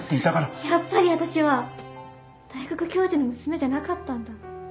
やっぱり私は大学教授の娘じゃなかったんだ。